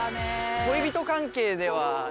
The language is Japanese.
恋人関係では。